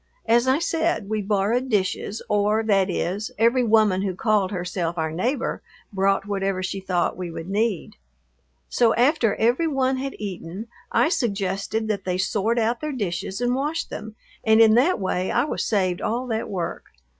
As I said, we borrowed dishes, or, that is, every woman who called herself our neighbor brought whatever she thought we would need. So after every one had eaten I suggested that they sort out their dishes and wash them, and in that way I was saved all that work.